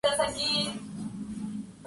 Fue la primera canción que grabó la banda.